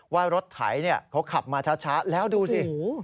ว่ารถไถเขาขับมาช้าแล้วดูสิ